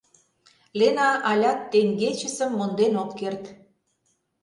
Лена алят теҥгечысым монден ок керт.